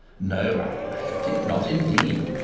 "No, I should think not, indeed!"